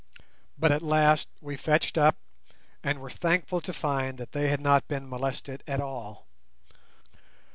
But at last we fetched up, and were thankful to find that they had not been molested at all.